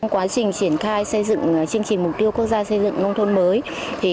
quá trình triển khai xây dựng chương trình mục tiêu quốc gia xây dựng nông thôn mới